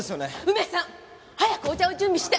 梅さん早くお茶を準備して！